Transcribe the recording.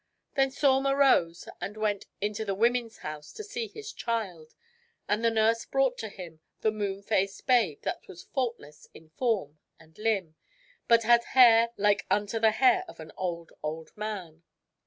Then Saum arose and went into the women's house to see his child. And the nurse brought to him the moon faced babe that was faultless in form 2l8 THIRTY MORE FAMOUS. STORIES and limb but had hair Hke unto the hair of an old., old man.